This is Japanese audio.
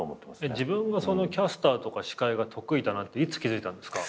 自分がキャスターとか司会が得意だなっていつ気付いたんですか？